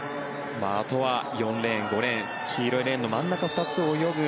あとは４レーン、５レーン黄色いレーンの真ん中２つを泳ぐ